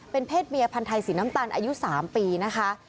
เป็นเพศเมียพันธ์ไทยสีน้ำตาลอายุ๓ปีนะคะ